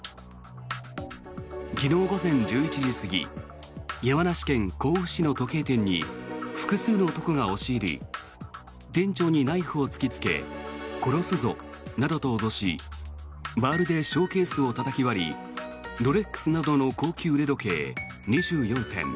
昨日午前１１時過ぎ山梨県甲府市の時計店に複数の男が押し入り店長にナイフを突きつけ殺すぞなどと脅し、バールでショーケースをたたき割りロレックスなどの高級腕時計２４点